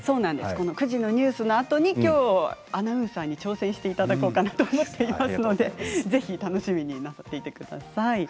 ９時のニュースのあとにアナウンサーに挑戦していただこうと思っていますので楽しみになさってください。